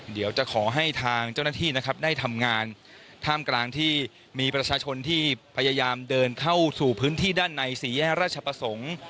เดี๋ยวจะขอให้ทางเจ้าหน้าที่นะครับได้ทำงานท่ามกลางที่มีประชาชนที่พยายามเดินเข้าสู่พื้นที่ด้านในสี่แยกราชประสงค์